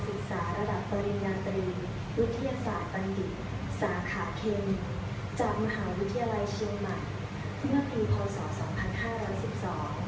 ศึกษาระดับปริญญาตรีวิทยาศาสตร์ปัณฑิสาขาเขมจากมหาวิทยาลัยเชียงมันเมื่อปีพศ๒๕๑๒